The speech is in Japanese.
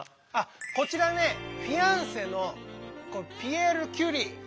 こちらねフィアンセのピエール・キュリー。